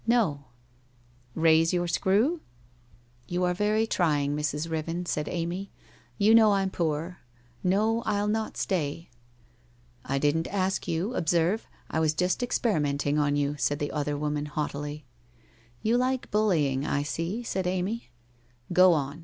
' 'No/ ' Raise your screw ?' WHITE ROSE OF WEARY LEAF 49 ' You are very trying, Mrs. Riven,' said Amy. ' You know I'm poor. No, I'll not stay.' 1 1 didn't ask you, observe. I was just experimenting on you,' said the other woman haughtily. ' You like bullying, I see,' said Amv. ' Go on.